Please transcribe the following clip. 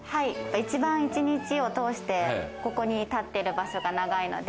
うちは一日を通してここに立ってる場所が長いので。